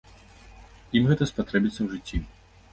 Ім гэта спатрэбіцца ў жыцці.